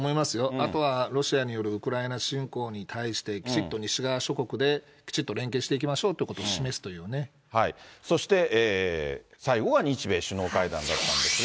あとはロシアに対するウクライナ侵攻に対して、きちっと西側諸国できちっと連携していきましょうということを示そして最後が日米首脳会談だったんですが。